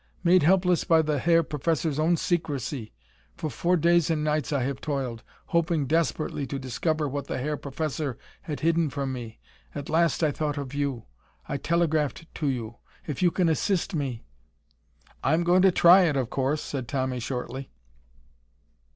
Made helpless by the Herr Professor's own secrecy! For four days and nights I have toiled, hoping desperately to discover what the Herr Professor had hidden from me. At last I thought of you. I telegraphed to you. If you can assist me...." "I'm going to try it, of course," said Tommy shortly.